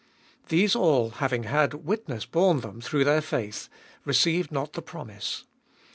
These all, having had witness borne them through their faith, received not the promise.